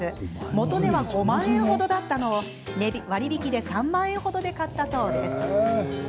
元値は５万円程だったのを割り引きで３万円程で買ったそうです。